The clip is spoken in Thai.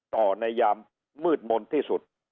ในยามมืดมนต์ที่สุด